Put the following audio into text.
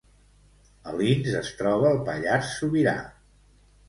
Alins es troba al Pallars Sobirà